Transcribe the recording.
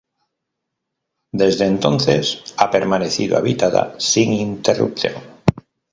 Desde entonces ha permanecido habitada sin interrupción.